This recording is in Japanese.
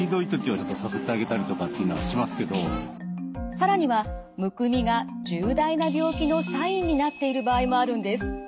更にはむくみが重大な病気のサインになっている場合もあるんです。